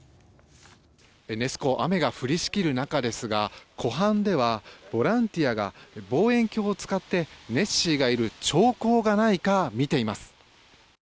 ネス湖は雨が降りしきる中ですが湖畔ではボランティアが望遠鏡を使ってネッシーがいる兆候がないか見ています。